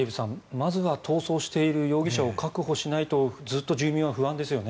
まずは逃走している容疑者を確保しないとずっと住民は不安ですよね。